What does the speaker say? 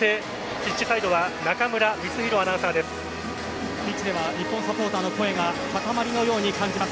ピッチでは日本サポーターの声が塊のように感じます。